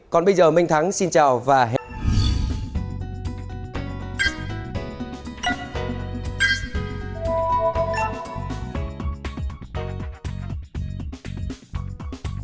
còn bây giờ minh thắng xin chào và hẹn gặp lại